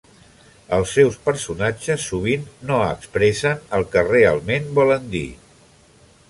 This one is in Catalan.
Els seus personatges sovint no expressen el que realment volen dir.